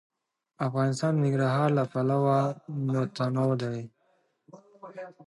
افغانستان د ننګرهار له پلوه متنوع دی.